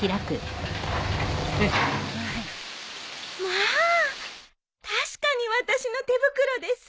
まあ確かに私の手袋です。